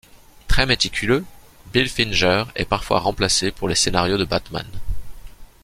Très méticuleux, Bill Finger est parfois remplacé pour les scénarios de Batman.